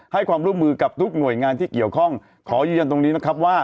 ให้ความร่วมมือกับทุกหน่วยงานที่เกี่ยวข้องขอยืนยันตรงนี้นะครับว่า